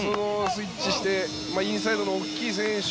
スイッチしてインサイドの大きい選手